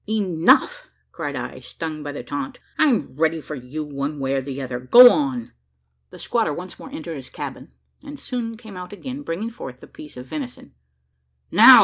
"Enough!" cried I, stung by the taunt; "I am ready for you one way or the other. Go on." The squatter once more entered his cabin, and soon came out again, bringing forth the piece of venison. "Now!"